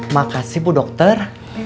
makasih bu dokter